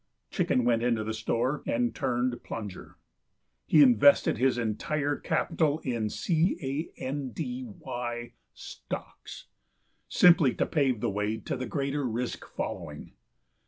Chicken went into the store and turned plunger. He invested his entire capital in C.A.N.D.Y. stocks, simply to pave the way to the greater risk following.